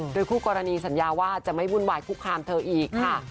โดยคู่กรณีสัญญาว่าจะไม่วุ่นวายคุกคามเธออีกค่ะ